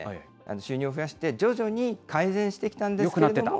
収入を増やして徐々に改善してきよくなってた。